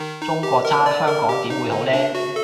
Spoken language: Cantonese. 中國差香港點會好呢？